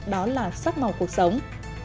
đó là sắc màu cuộc sống